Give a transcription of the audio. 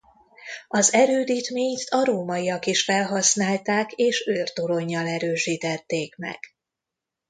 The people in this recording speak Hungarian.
Az erődítményt a rómaiak is felhasználták és őrtoronnyal erősítették meg.